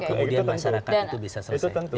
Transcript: kemudian masyarakat itu bisa selesai